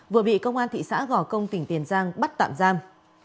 vừa bị công an thị xã gò công tỉnh tiền giang bắt tạm giam